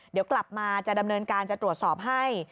เดี๋ยวกลับมาจะดำเนินการจะตรวจสอบให้